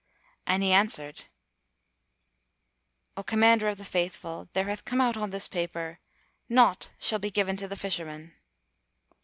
and he answered, "O Commander of the Faithful, there hath come out on this paper, 'Naught shall be given to the Fisherman.'"